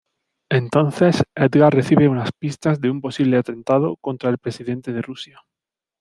Entonces, Edgar recibe unas pistas de un posible atentado contra el Presidente de Rusia.